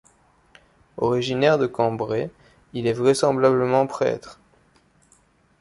Originaire de Cambrai, il est vraisemblablement prêtre.